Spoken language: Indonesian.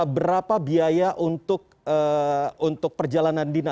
berapa biaya untuk perjalanan dina